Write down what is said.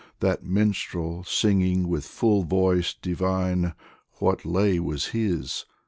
That minstrel singing with full voice divine, What lay was his